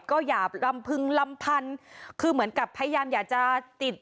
ก็อย่าลำพึงลำพันคือเหมือนกับพยายามอยากจะติด